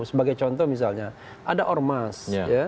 sebagai contoh misalnya ada ormas